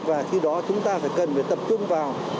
và khi đó chúng ta phải cần phải tập trung vào